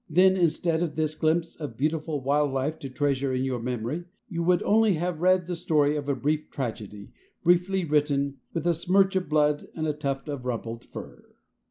Then instead of this glimpse of beautiful wild life to treasure in your memory, you would only have read the story of a brief tragedy, briefly written, with a smirch of blood and a tuft of rumpled fur.